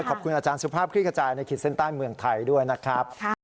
ขอบคุณอาจารย์สุภาพคลิกขจายในขีดเส้นใต้เมืองไทยด้วยนะครับ